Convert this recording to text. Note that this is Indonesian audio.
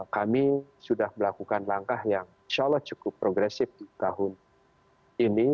kami sudah melakukan langkah yang insya allah cukup progresif di tahun ini